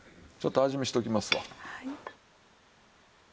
ちょっと味見しておきますわ。